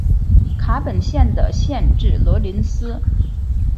卡本县的县治罗林斯。